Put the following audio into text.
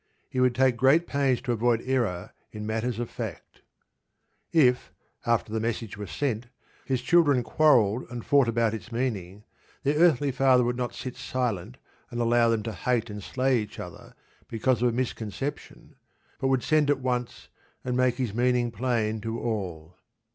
He would take great pains to avoid error in matters of fact. If, after the message was sent, his children quarrelled and fought about its meaning, their earthly father would not sit silent and allow them to hate and slay each other because of a misconception, but would send at once and make his meaning plain to all.